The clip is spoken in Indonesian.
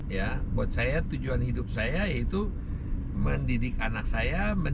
ya buat saya tujuan hidup saya yaitu mendidik anak saya